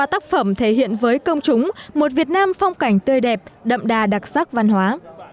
theo chúng một việt nam phong cảnh tươi đẹp đậm đà đặc sắc văn hóa